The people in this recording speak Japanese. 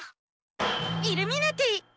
イルミナティ！